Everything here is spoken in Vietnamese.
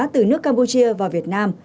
từ nước campuchia vào việt nam